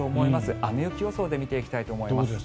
雨・雪予想で見ていきたいと思います。